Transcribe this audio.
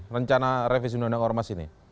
rencana revisi undang undang ormas ini